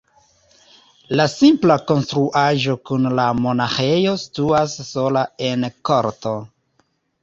La simpla konstruaĵo kun la monaĥejo situas sola en korto.